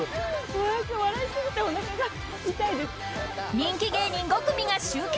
人気芸人５組が集結。